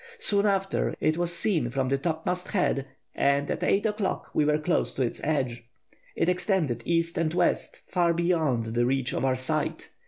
Soon after, it was seen from the topmast head, and at eight o'clock we were close to its edge. It extended east and west, far beyond the reach of our sight.